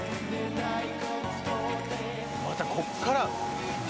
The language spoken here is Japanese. またこっから。